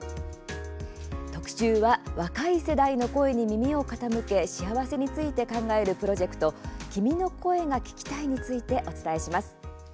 特集は若い世代の声に耳を傾け幸せについて考えるプロジェクト「君の声が聴きたい」についてお伝えします。